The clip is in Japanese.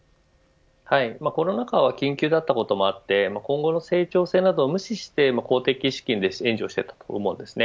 コロナ禍は緊急だったこともあって今後の成長性などを無視して公的資金で援助していたと思うんです。